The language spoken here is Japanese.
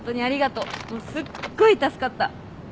もうすっごい助かった。